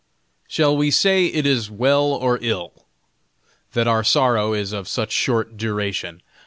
Shall we say it is well or ill, that our sorrow is of such short duration?